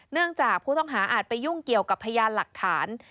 เนื่องจากผู้ต้องหาอาจไปยุ่งเกี่ยวกับพยานหลักฐาน